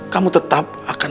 kamu tetap akan